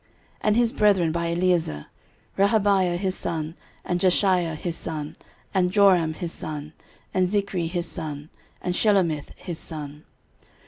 13:026:025 And his brethren by Eliezer; Rehabiah his son, and Jeshaiah his son, and Joram his son, and Zichri his son, and Shelomith his son.